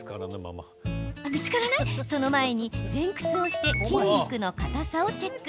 その前に、前屈をして筋肉のかたさをチェック。